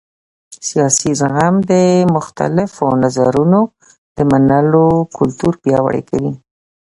سیاسي زغم د مختلفو نظرونو د منلو کلتور پیاوړی کوي